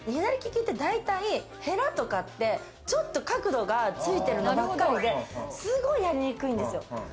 大体ヘラとかって、ちょっと角度がついてるのばっかりで、すごいやりにくいんですよ。